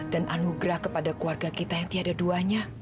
dan anugerah kepada keluarga kita yang tiada duanya